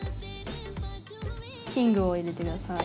ヒングを入れてください。